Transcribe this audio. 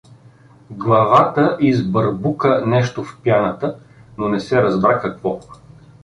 Главата избърбука нещо в пяната, но не се разбра какво.